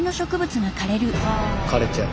枯れちゃう。